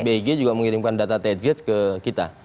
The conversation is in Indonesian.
big juga mengirimkan data tetgate ke kita